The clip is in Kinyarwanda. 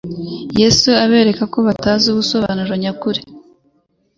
Yesu abereka ko batazi ubusobanuro nyakuri.